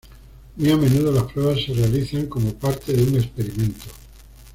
Muy a menudo, las pruebas se realizan como parte de un experimento.